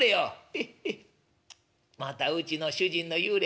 「ヘッヘッまたうちの主人の幽霊が出ましたか。